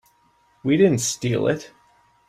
We didn't steal it.